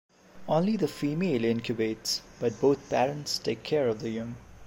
Only the female incubates, but both parents take care of the young.